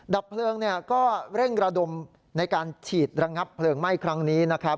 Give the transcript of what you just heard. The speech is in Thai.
ดับเพลิงก็เร่งระดมในการฉีดระงับเพลิงไหม้ครั้งนี้นะครับ